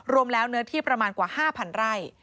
รวมแล้วเนื้อที่ประมาณกว่า๕๐๐ไร่